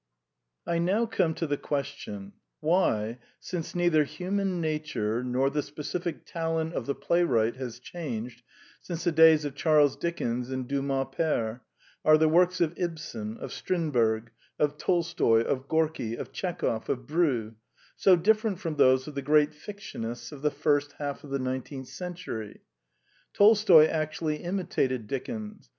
I NOW come to the question: Why, since neither human nature nor the specific talent of the play wright has changed since the days of Charles Dickens and Dumas pere, are the works of Ibsen, of Strindberg, of Tolstoy, of Gorki, of Tchekov, of Brieux, so different from those of the great fictionists of the first half of the nineteenth cen tury? Tolstoy actually imitated Dickens.